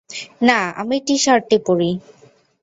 না, আমি টি-শার্টটি পড়ি।